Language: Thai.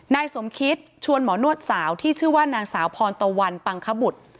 นายสมคิตชวนหมอนวดสาวที่ชื่อว่านางสาวพรตะวันปังคบุตร